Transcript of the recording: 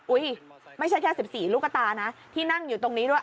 ไม่ใช่แค่๑๔ลูกตานะที่นั่งอยู่ตรงนี้ด้วย